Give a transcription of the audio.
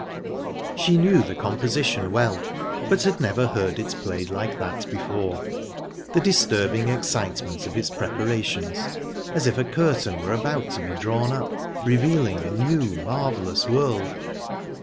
She knew the composition well, but had never heard it played like that before. The disturbing excitement of its preparations, as if a curtain were about to be drawn up, revealing a new marvellous world